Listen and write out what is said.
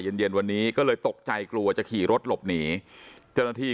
เย็นเย็นวันนี้ก็เลยตกใจกลัวจะขี่รถหลบหนีเจ้าหน้าที่